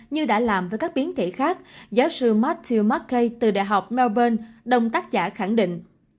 như đã làm với các biến thể khác giáo sư matthew matcay từ đại học melbourne đồng tác giả khẳng định